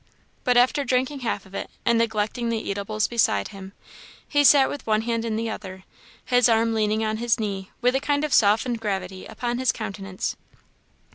But, after drinking half of it, and neglecting the eatables beside him, he sat with one hand in the other, his arm leaning on his knee, with a kind of softened gravity upon his countenance.